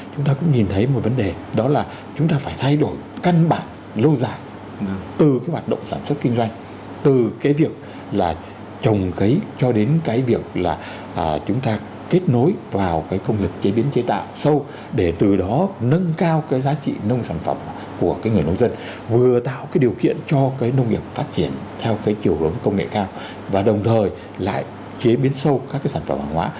chúng ta cũng nhìn thấy một vấn đề đó là chúng ta phải thay đổi căn bản lâu dài từ hoạt động sản xuất kinh doanh từ việc trồng cấy cho đến việc chúng ta kết nối vào công nghiệp chế biến chế tạo sâu để từ đó nâng cao giá trị nông sản phẩm của người nông dân vừa tạo điều kiện cho nông nghiệp phát triển theo chiều lớn công nghệ cao và đồng thời lại chế biến sâu các sản phẩm hàng hóa